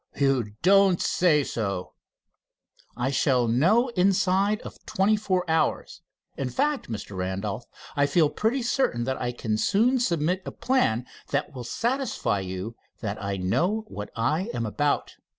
"You don't say so!" "I shall know more inside of twenty four hours. In fact, Mr. Randolph, I feel pretty certain that I can soon submit a plan that will satisfy you that I know what I am about."